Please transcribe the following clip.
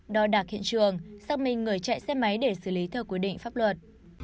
đo đạc hiện trường xác minh người chạy xe máy để xử lý theo quy định pháp luật